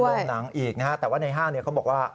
ลงหนังอีกนะฮะแต่ว่าในห้างเขาบอกว่า